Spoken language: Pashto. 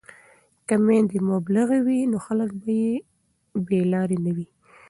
که میندې مبلغې وي نو خلک به بې لارې نه وي.